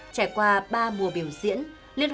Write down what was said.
trải qua ba mùa biểu diễn